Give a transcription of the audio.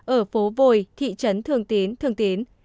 ở phố vồi thị trấn thường tín thường tín